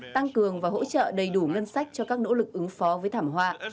tăng cường và hỗ trợ đầy đủ ngân sách cho các nỗ lực ứng phó với thảm họa